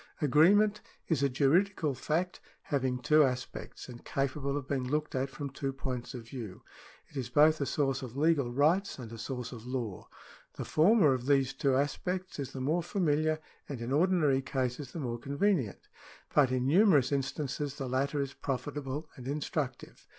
Agreement is a juridical fact having two aspects, and capable of being looked at from two points of view. It is both a source of legal rights and a source of law. The former of these two aspects is the more familiar and in ordinary cases the more convenient, but in numerous instances the latter is profitable and instructive.